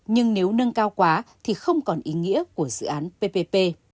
nhưng nếu nâng cao quá thì không còn ý nghĩa của dự án ppp